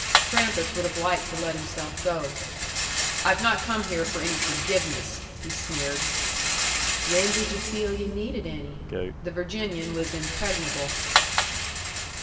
Trampas would have liked to let himself go. "I've not come here for any forgiveness," he sneered. "When did yu' feel yu' needed any?" The Virginian was impregnable.